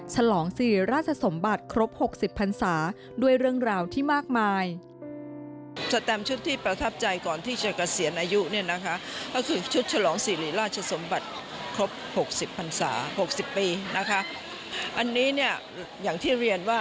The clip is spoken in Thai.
ฉลองศรีราชสมบัติครบ๖๐พันศาด้วยเรื่องราวที่มากมาย